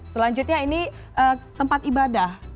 selanjutnya ini tempat ibadah